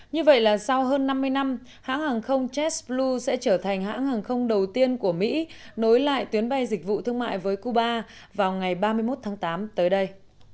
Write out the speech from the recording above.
như vậy là sau hơn năm mươi năm hãng hàng không jet blue sẽ trở thành hãng hàng không đầu tiên của mỹ nối lại tuyến bay dịch vụ thương mại với cuba vào ngày ba mươi một tháng tám tới đây